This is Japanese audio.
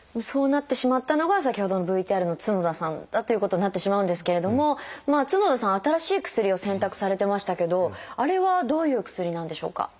そうなってしまったのが先ほどのＶＴＲの角田さんだということになってしまうんですけれども角田さん新しい薬を選択されてましたけどあれはどういうお薬なんでしょうか？